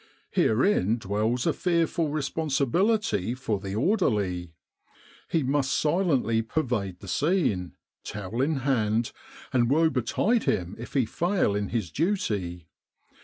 Herein dwells a fearful responsibility for the orderly. He must silently pervade the scene, towel in hand, and woe betide him if he fail in his duty.